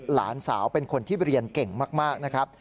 หลานสาวเป็นคนที่เรียนเก่งมากนะครับ